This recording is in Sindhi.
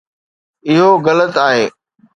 اهو غلط آهي